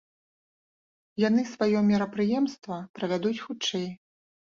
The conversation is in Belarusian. Яны сваё мерапрыемства правядуць хутчэй.